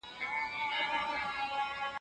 ما پرون د سبا لپاره د کور کارونه وکړ!؟